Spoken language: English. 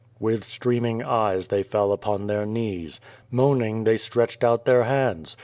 With streaming eyes, they fell upon their knees. ^Moaning they stretched out their hands.